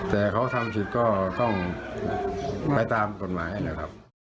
แต่เขาทำผิดก็ต้องไปตามกฎหมายนะครับ